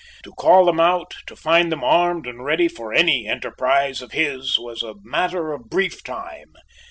To call them out, to find them armed and ready for any enterprise of his was a matter of brief time.